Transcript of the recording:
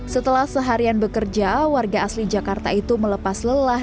setelah seharian bekerja warga asli jakarta itu melepas lelah